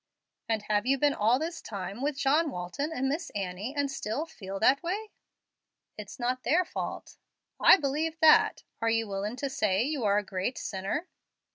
"And have you been all this time with John Walton and Miss Annie and still feel that way?" "It's not their fault." "I believe that. Are you willin' to say you are a great sinner?"